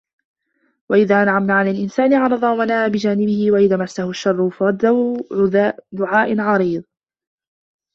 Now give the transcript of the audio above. وَإِذا أَنعَمنا عَلَى الإِنسانِ أَعرَضَ وَنَأى بِجانِبِهِ وَإِذا مَسَّهُ الشَّرُّ فَذو دُعاءٍ عَريضٍ